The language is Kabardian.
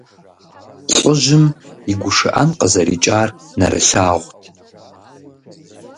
ЛӀыжьым и гушыӀэн къызэрикӀар нэрылъагъут.